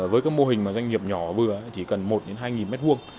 với các mô hình doanh nghiệp nhỏ vừa thì cần một hai nghìn mét vuông